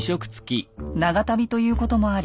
長旅ということもあり